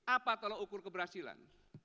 apa tolong ukur keberhasilan